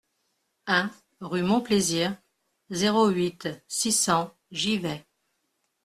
un rue Mon Plaisir, zéro huit, six cents, Givet